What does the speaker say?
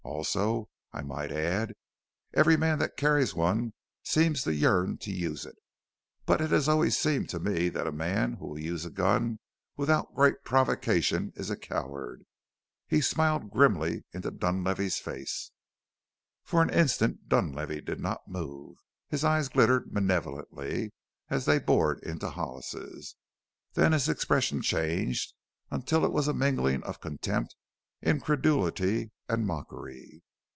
Also, I might add, every man that carries one seems to yearn to use it. But it has always seemed to me that a man who will use a gun without great provocation is a coward!" He smiled grimly into Dunlavey's face. For an instant Dunlavey did not move. His eyes glittered malevolently as they bored into Hollis's. Then his expression changed until it was a mingling of contempt, incredulity, and mockery.